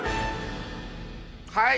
はい。